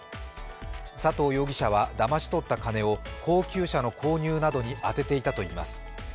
佐藤容疑者はだまし取った金を高級車の購入などに充てていたといいます。